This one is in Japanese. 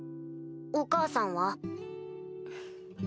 お母さんは？